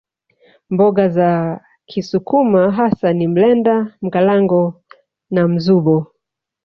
Mboga za kisukuma hasa ni mlenda Mkalango na mzubo